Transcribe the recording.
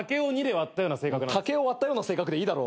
竹を割ったような性格でいいだろ。